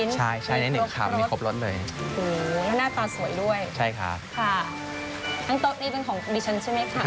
ใช่ใช่นี่๑คำมีครบรสเลยโอ้โฮหน้าตาสวยด้วยค่ะทั้งโต๊ะนี้เป็นของดิฉันใช่ไหมค่ะ